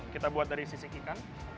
kita buat dari sisik ikan